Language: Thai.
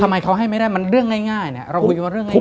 ทำไมเขาให้ไม่ได้มันเรื่องง่ายเนี่ยเราคุยกันว่าเรื่องง่าย